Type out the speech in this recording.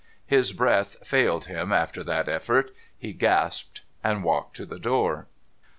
His breath failed him after that effort; he gasped, and walked to the door.